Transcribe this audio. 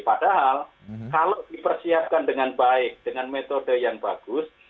padahal kalau dipersiapkan dengan baik dengan metode yang bagus